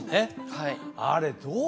はいあれどう？